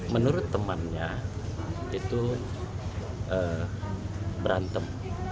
menurut temannya itu berantem